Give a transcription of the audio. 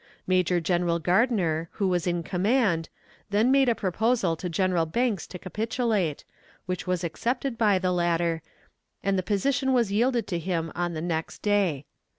Major General Gardner, who was in command, then made a proposal to General Banks to capitulate, which was accepted by the latter, and the position was yielded to him on the next day.